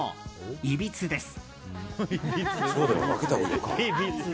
いびつです。